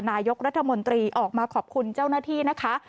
นายกรัฐมนตรีออกมาขอบคุณเจ้าหน้าที่นะคะ